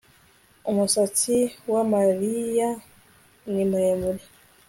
umusatsi wa maria ni muremure